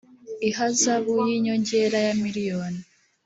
ihazabu y’inyongera ya miliyoni